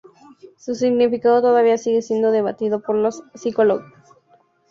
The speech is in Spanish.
Su significado todavía sigue siendo debatido por los sociólogos.